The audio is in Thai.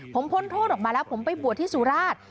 ผมพ้นโทษออกมาแล้วผมไปบวชที่สุราช